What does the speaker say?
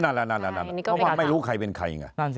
นั่นเพราะว่าไม่รู้ใครเป็นใครไง